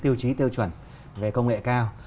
tiêu chí tiêu chuẩn về công nghệ cao